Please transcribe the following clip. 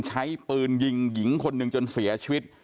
ใช้ปืนยิงหญิงคนหนึ่งจนเสียชีวิต